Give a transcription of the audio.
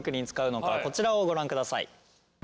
こちらをご覧ください。